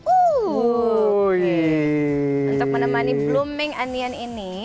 untuk menemani blooming anian ini